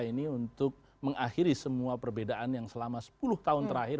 ini untuk mengakhiri semua perbedaan yang selama sepuluh tahun terakhir